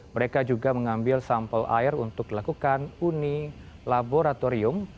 mereka juga mengambil sampel air untuk dilakukan uni laboratorium